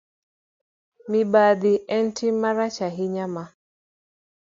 Mibadhi en tim marach ahinya ma